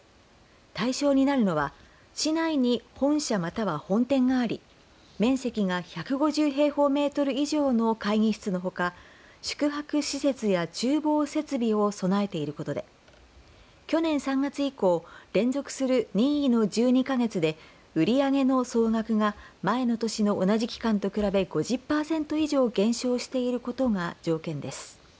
対象になるのは市内に本社または本店があり面積が１５０平方メートル以上の会議室のほか、宿泊施設やちゅう房設備を備えていることで去年３月以降、連続する任意の１２か月で売り上げの総額が前の年の同じ期間と比べ５０パーセント以上減少していることが条件です。